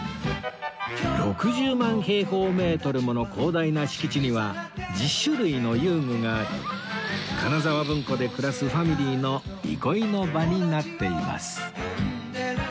６０万平方メートルもの広大な敷地には１０種類の遊具があり金沢文庫で暮らすファミリーの憩いの場になっています